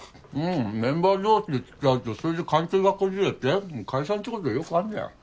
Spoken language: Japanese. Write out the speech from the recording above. メンバー同士で付き合うとそれで関係がこじれて解散ってことはよくあるじゃん。